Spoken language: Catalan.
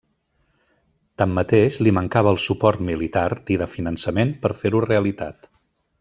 Tanmateix, li mancava el suport militar i de finançament per fer-ho realitat.